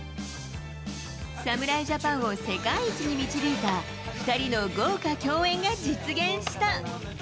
侍ジャパンを世界一に導いた２人の豪華共演が実現した。